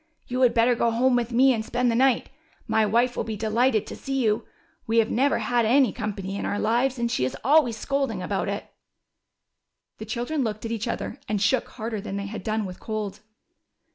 You had better go home with me and spend the night. My wife will be delighted to see you. We have never had any company in our lives, and she is always scolding about it." The children looked at each other and shook harder than they had done with cold.